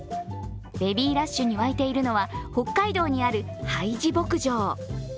ベビーラッシュに沸いているのは北海道にあるハイジ牧場。